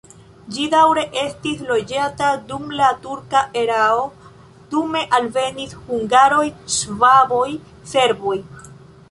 Ĝi daŭre estis loĝata dum la turka erao, dume alvenis hungaroj, ŝvaboj, serboj.